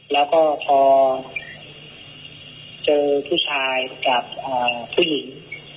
แล้วก็พอเจอผู้ชายกับผู้หญิง